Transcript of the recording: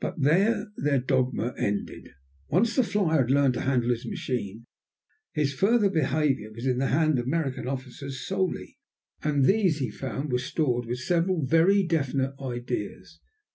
But there their dogma ended. Once the flier had learned to handle his machine, his further behavior was in the hands of American officers solely, and these, he found, were stored with several very definite ideas.